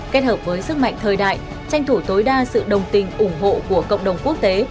kết hợp với sức mạnh thời đại tranh thủ tối đa sự đồng tình ủng hộ của cộng đồng quốc tế